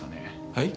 はい？